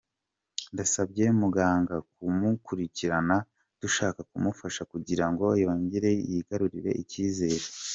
Nasabye muganga kumukurikirana, dushaka kumufasha kugira ngo yongere yigarurire icyizere.